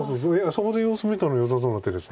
そこで様子見たらよさそうな手です